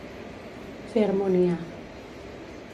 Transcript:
Fer harmonia.